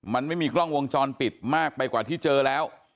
มันไม่มีกล้องวงจรปิดมากไปกว่าที่เจอแล้ว